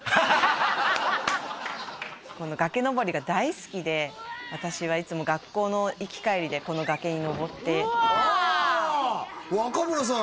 この崖登りが大好きで私はいつも学校の行き帰りでこの崖に登ってうわ若村さん